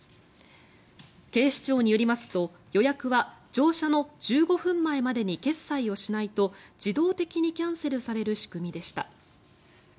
警視庁によりますと予約は乗車の１５分前までに決済をしないと自動的にキャンセルされる仕組みでした。